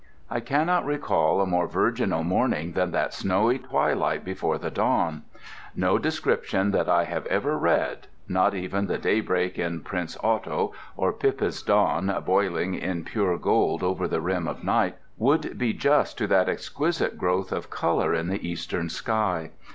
I cannot recall a more virginal morning than that snowy twilight before the dawn. No description that I have ever read—not even the daybreak in "Prince Otto," or Pippa's dawn boiling in pure gold over the rim of night—would be just to that exquisite growth of colour in the eastern sky.